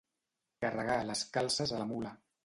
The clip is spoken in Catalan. Carregar les calces a la mula.